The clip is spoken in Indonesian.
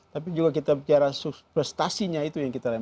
tapi juga kita bicara prestasinya itu yang kita lakukan